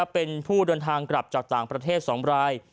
เป็นผู้เดินทางกลับจากต่างประเทศ๒ราย